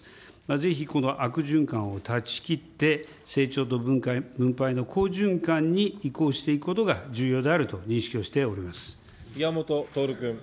ぜひこの悪循環を断ち切って、成長と分配の好循環に移行していくことが重要であると認識をして宮本徹君。